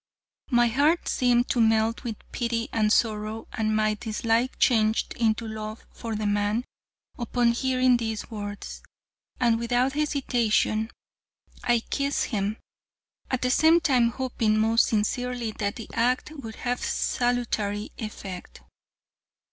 My heart seemed to melt with pity and sorrow, and my dislike changed into love for the man upon hearing these words, and without hesitation I kissed him, at the same time hoping most sincerely that the act would have a salutary effect.